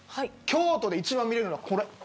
京都で一番見られるのがこれ。